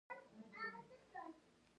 د چین سپین زر بهر ته ووتل.